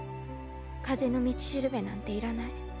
かぜのみちしるべなんていらない。